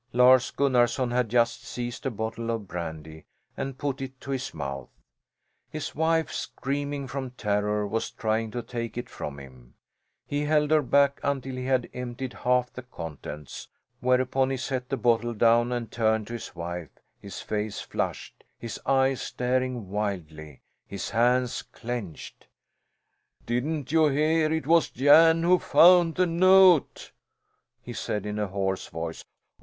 Lars Gunnarson had just seized a bottle of brandy and put it to his mouth. His wife, screaming from terror, was trying to take it from him. He held her back until he had emptied half the contents, whereupon he set the bottle down and turned to his wife, his face flushed, his eyes staring wildly, his hands clenched. "Didn't you hear it was Jan who found the note?" he said in a hoarse voice.